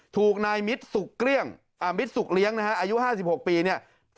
ถูกนายมิตรสุกเลี้ยงอายุ๕๖ปี